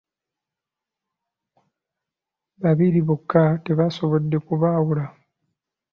Babiri bokka tebasobodde kubaawula.